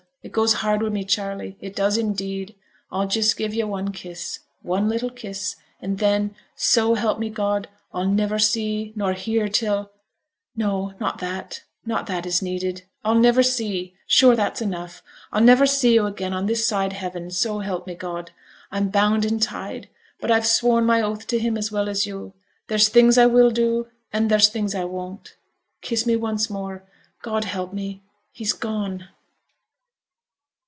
It goes hard wi' me, Charley, it does indeed. I'll just give yo' one kiss one little kiss and then, so help me God, I'll niver see nor hear till no, not that, not that is needed I'll niver see sure that's enough I'll never see yo' again on this side heaven, so help me God! I'm bound and tied, but I've sworn my oath to him as well as yo': there's things I will do, and there's things I won't. Kiss me once more. God help me, he's gone!'